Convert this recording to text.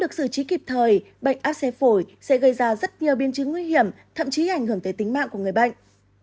trước sự trí kịp thời bệnh áp xe phổi sẽ gây ra rất nhiều biến chứng nguy hiểm thậm chí ảnh hưởng tới tính mạng của người bệnh